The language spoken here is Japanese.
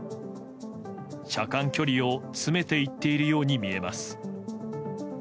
車間距離を詰めていっているように見えます。